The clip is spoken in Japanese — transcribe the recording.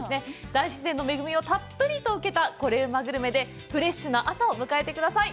大自然の恵みをたっぷりと受けてコレうまグルメでフレッシュな朝を迎えてください。